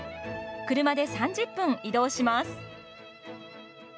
車で３０分移動します。